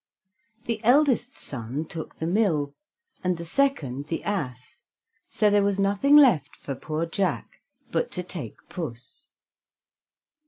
The eldest son took the mill, and the second the ass, so there was nothing left for poor Jack but to take Puss.